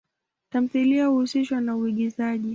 Tamthilia huhusishwa na uigizaji.